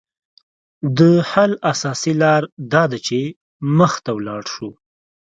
د حل اساسي لاره داده چې مخ ته ولاړ شو